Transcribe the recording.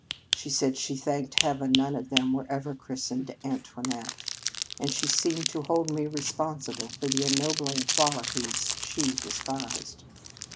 She said she thanked Heaven none of them were ever chris tened Antoinette; and she seemed to hold me responsible for the ennobling qualities she despised.